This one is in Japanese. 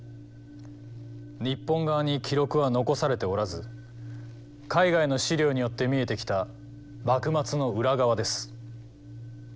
日本側に記録は残されておらず海外の史料によって見えてきた幕末の裏側です。